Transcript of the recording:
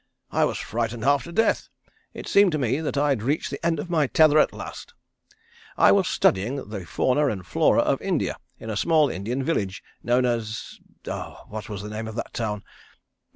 "I was frightened half to death. It seemed to me that I'd reached the end of my tether at last. I was studying the fauna and flora of India, in a small Indian village, known as ah what was the name of that town!